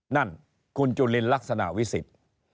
นั่นคุณจุลินลักษณะวิสิทธิ์